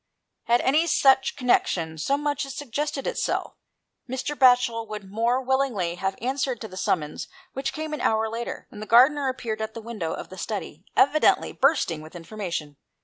Had any such connexion so much as suggested itself, Mr. Batchel would more willingly have answered to the summons which came an hour later, when the gardener appeared at the window of the study, evidently bursting with information.